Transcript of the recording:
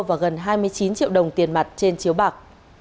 và gần hai mươi chín triệu đồng tiền mặt trên chiếu bạc